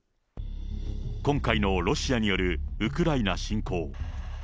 今回のロシアによるウクライナ侵攻。